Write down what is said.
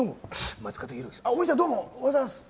お兄さん、どうもおはようございます。